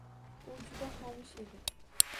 U juda xomush edi